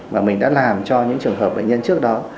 mà mình đã làm cho những trường hợp bệnh nhân trước đó